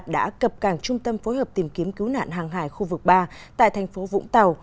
đã cập cảng trung tâm phối hợp tìm kiếm cứu nạn hàng hải khu vực ba tại thành phố vũng tàu